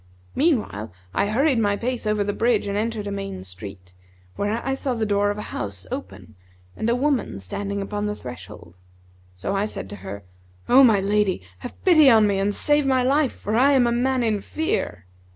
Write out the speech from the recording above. Meanwhile, I hurried my pace over the bridge and entered a main street, where I saw the door of a house open and a woman standing upon the threshold. So I said to her, 'O my lady, have pity on me and save my life; for I am a man in fear.'